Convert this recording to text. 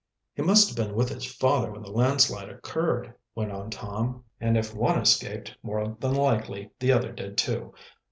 "He must have been with his father when the landslide occurred," went on Tom. "And if one escaped more than likely the other did, too.